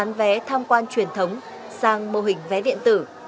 hệ thống bán vé tham quan truyền thống sang mô hình vé điện tử